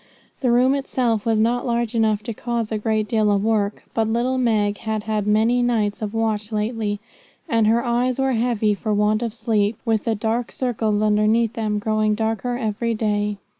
The room itself was not large enough to cause a great deal of work; but little Meg had had many nights of watching lately, and her eyes were heavy for want of sleep, with the dark circles underneath them growing darker every day.